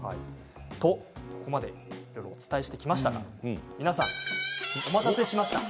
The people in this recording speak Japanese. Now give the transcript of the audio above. ここまでお伝えしてきましたが皆さん、お待たせしました。